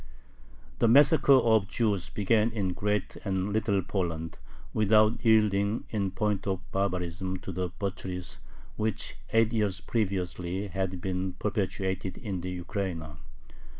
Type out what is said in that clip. The massacre of Jews began in Great and Little Poland, without yielding in point of barbarism to the butcheries which, eight years previously, had been perpetrated in the Ukraina.